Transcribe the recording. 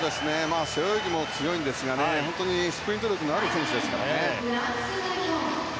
背泳ぎも強いんですがスプリント力のある選手ですね。